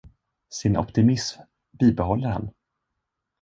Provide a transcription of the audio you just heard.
Sin optimism bibehåller han.